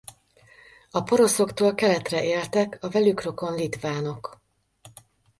A poroszoktól keletre éltek a velük rokon litvánok.